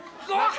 そう？